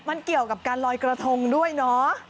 มันเกี่ยวกับการลอยกระทงด้วยเนาะ